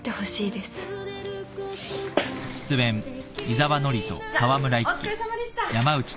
じゃあお疲れさまでした。